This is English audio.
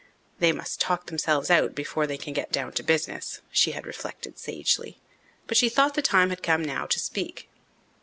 "They must talk themselves out before they can get down to business," she had reflected sagely. But she thought the time had now come to speak.